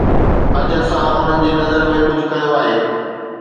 اڄ اسان انهن جي نظر ۾ ڪجهه ڪيو آهي